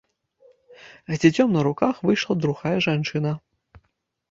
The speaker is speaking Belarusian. З дзіцем на руках выйшла другая жанчына.